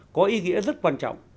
có ý nghĩa rất quan trọng